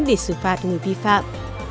về xử phạt người vi phạm